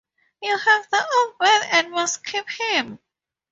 You have the Old Man and must keep him.